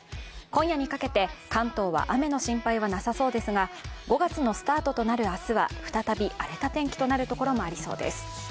今夜にかけて関東は雨の心配はなさそうですが５月のスタートとなる明日は再び荒れた天気となるところもありそうです。